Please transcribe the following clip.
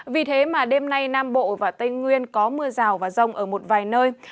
vì thế mà đêm nay nam bộ và tây nguyên có mưa rào và rông ở một vài nơi